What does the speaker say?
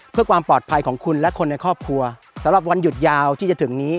เพื่อความปลอดภัยของคุณและคนในครอบครัวสำหรับวันหยุดยาวที่จะถึงนี้